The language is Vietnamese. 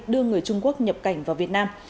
đưa người trung quốc nhập cảnh vào việt nam